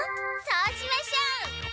そうしましょう！